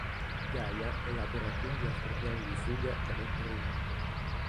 Gaia elabora quindi altri piani di fuga da mettere in atto.